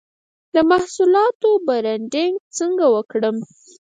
د محصولاتو برنډینګ څنګه وکړم؟